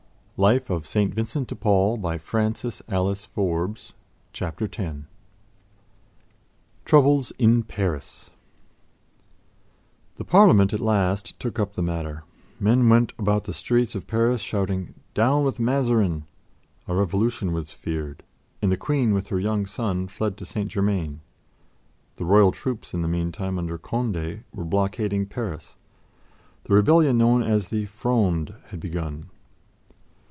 He had done what he could, and God asks no more of any man. Chapter 10 TROUBLES IN PARIS The Parliament at last took up the matter; men went about the streets of Paris shouting "Down with Mazarin!" A revolution was feared, and the Queen, with her young son, fled to St. Germain. The Royal troops in the meantime, under Condé, were blockading Paris; the rebellion known as the "Fronde" had begun.